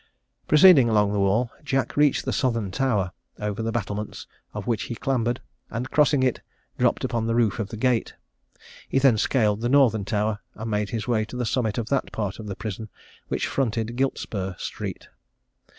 Proceeding along the wall, Jack reached the southern tower, over the battlements of which he clambered, and crossing it, dropped upon the roof of the gate. He then scaled the northern tower, and made his way to the summit of that part of the prison which fronted Giltspur street.